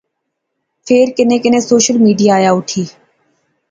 فیر کنے کنے سوشل میڈیا آیا اٹھی